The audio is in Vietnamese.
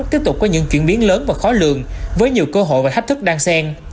tiếp tục có những chuyển biến lớn và khó lường với nhiều cơ hội và thách thức đan sen